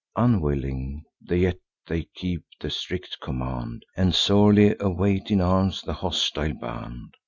Unwilling, yet they keep the strict command, And sourly wait in arms the hostile band.